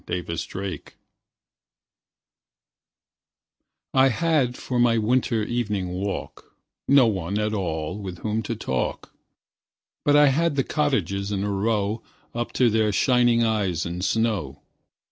Good Hours I HAD for my winter evening walk No one at all with whom to talk, But I had the cottages in a row Up to their shining eyes in snow.